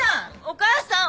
お母さん。